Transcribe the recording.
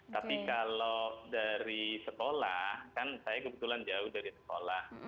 tapi kalau dari sekolah kan saya kebetulan jauh dari sekolah